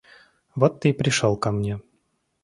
Вот ты и пришел ко мне.